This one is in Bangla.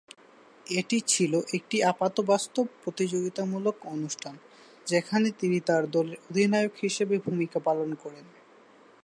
এটি ছিল একটি আপাতবাস্তব প্রতিযোগিতামূলক অনুষ্ঠান, যেখানে তিনি তার দলের অধিনায়ক হিসাবে ভূমিকা পালন করেন।